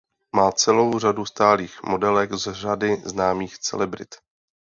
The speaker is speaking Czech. Má celou řadu stálých modelek z řady známých celebrit.